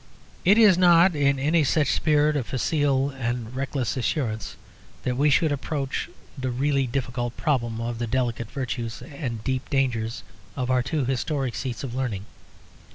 It is not in any such spirit of facile and reckless reassurance that we should approach the really difficult problem of the delicate virtues and the deep dangers of our two historic seats of learning.